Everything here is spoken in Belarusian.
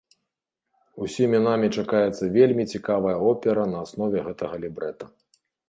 Усімі намі чакаецца вельмі цікавая опера на аснове гэтага лібрэта.